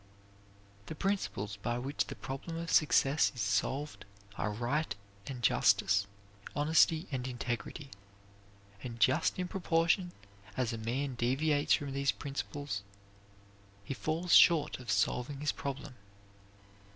The principles by which the problem of success is solved are right and justice, honesty and integrity; and just in proportion as a man deviates from these principles he falls short of solving his problem.